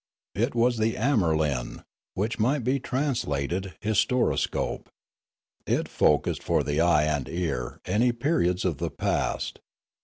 It was the amnierlin, which might be translated his toroscope. It focussed for the eye and ear any periods of the past.